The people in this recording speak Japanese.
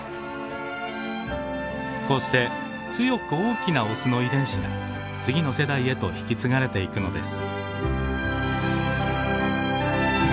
こうして強く大きなオスの遺伝子が次の世代へと引き継がれていくのです。